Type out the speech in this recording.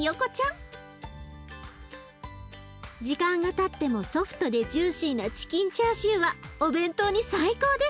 時間がたってもソフトでジューシーなチキンチャーシューはお弁当に最高です！